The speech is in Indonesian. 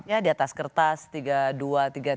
ya di atas kertas tiga puluh dua tiga tiga